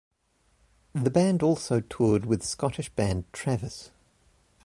The band also toured with Scottish band Travis.